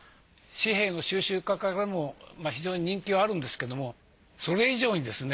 紙幣の収集家からも非常に人気はあるんですけどもそれ以上にですね